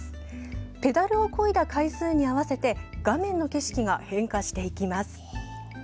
ペダルをこいだ回数に合わせて画面の景色が変化していきます。